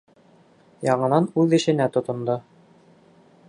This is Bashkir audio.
Яңынан үҙ эшенә тотондо.